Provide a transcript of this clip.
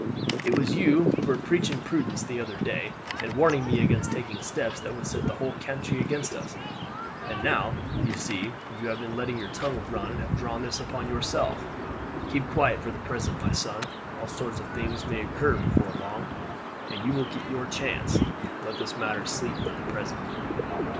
"It was you who were preaching prudence the other day, and warning me against taking steps that would set all the whole country against us; and now, you see, you have been letting your tongue run, and have drawn this upon yourself. Keep quiet for the present, my son; all sorts of things may occur before long, and you will get your chance. Let this matter sleep for the present."